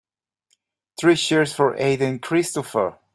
Three cheers for Aden Christopher.